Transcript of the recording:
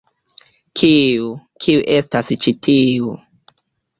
Kiu... kiu estas ĉi tiu?